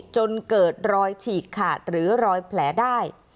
จนเกิดรอยฉีกขาดหรือรอยแผลได้